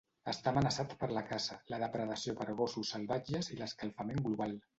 Està amenaçat per la caça, la depredació per gossos salvatges i l'escalfament global.